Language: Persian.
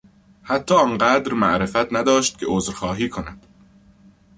حتی آنقدر معرفت نداشت که عذرخواهی کند.